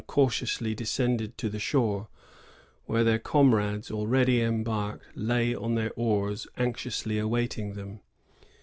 93 cautiously descended to the shore, where their com rades, already embarked, lay on their oars anxiously awaiting them.